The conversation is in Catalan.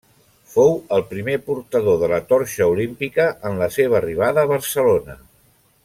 Fou el primer portador de la torxa olímpica en la seva arribada a Barcelona.